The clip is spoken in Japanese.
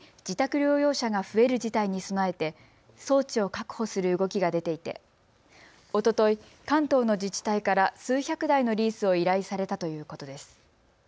自宅療養者が増える事態に備えて装置を確保する動きが出ていておととい、関東の自治体から数百台のリースを依頼されたということです。